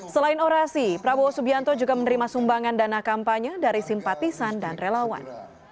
selain orasi prabowo subianto juga menerima sumbangan dana kampanye dari simpatisan dan relawan